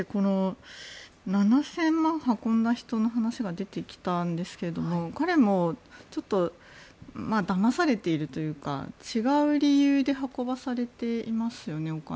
７０００万円運んだ人の話が出てきたんですけど彼もちょっとだまされているというか違う理由でお金を運ばされていますよね。